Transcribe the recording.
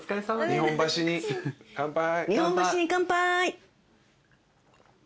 日本橋に乾杯。